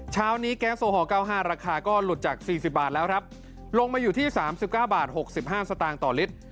เช้านี้แก๊สโอฮอล๙๕ราคาก็หลุดจาก๔๐บาทแล้วครับลงมาอยู่ที่๓๙บาท๖๕สตางค์ต่อลิตร